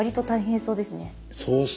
そうですね。